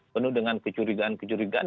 penuh dengan kecurigaan kecurigaan